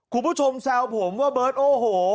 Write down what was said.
คุณผู้ชมแซวผมว่าเบิร์ดโอโห